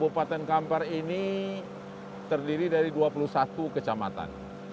kabupaten kampar ini terdiri dari dua puluh satu kecamatan